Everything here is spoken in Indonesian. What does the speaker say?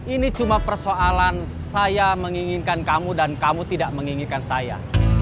ini cuma persoalan saya menginginkan kamu dan kamu tidak menginginkan saya